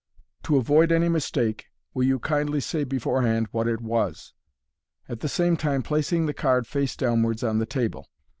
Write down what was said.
To avoid any mistake, will you kindly say beforehand what it was?" at the same time placing the card face downwards on the table.